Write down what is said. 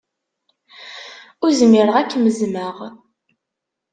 Ur zmireɣ ad kem-zzmeɣ.